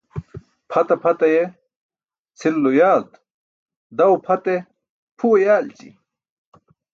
Pʰata pʰat aye cʰilulo yaalt, daw pʰat e?, pʰuwe yaalći.